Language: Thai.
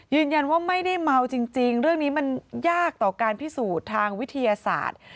ยืนยันว่าไม่ได้เมาจริงเรื่องนี้มันยากต่อการพิสูจน์ทางวิทยาศาสตร์